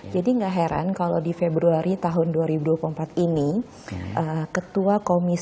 jadi tidak heran kalau di februari tahun dua ribu dua puluh empat ini